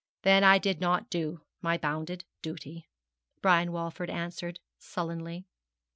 'Then I did not do my bounden duty,' Brian Walford answered sullenly.